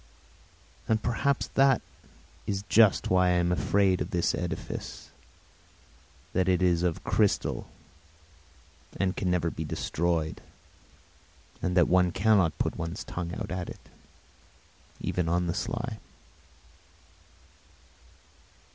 And perhaps that is just why I am afraid of this edifice, that it is of crystal and can never be destroyed and that one cannot put one's tongue out at it even on the sly.